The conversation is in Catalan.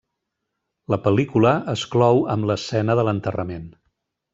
La pel·lícula es clou amb l'escena de l'enterrament.